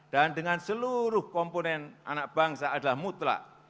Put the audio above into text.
dan dengan seluruh komponen anak bangsa adalah mutlak